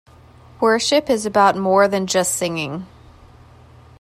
Worship is about more than just singing.